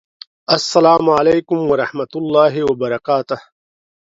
السلام علیکم ورحمة الله وبرکاته